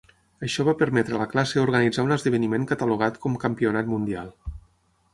Això va permetre a la classe organitzar un esdeveniment catalogat com campionat mundial.